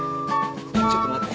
ちょっと待て。